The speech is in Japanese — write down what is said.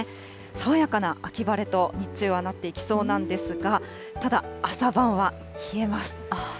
爽やかな秋晴れと日中はなっていきそうなんですが、ただ朝晩は、冷えます。